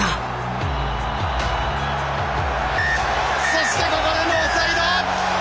そしてここでノーサイド！